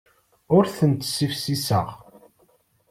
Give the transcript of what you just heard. Ur tent-ssifsiseɣ.